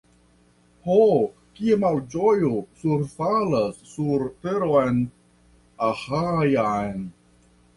Ho, kia malĝojo surfalas sur teron Aĥajan!